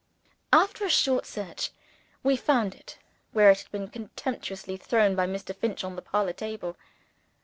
After a short search, we found it where it had been contemptuously thrown by Mr. Finch on the parlor table.